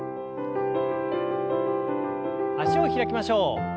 脚を開きましょう。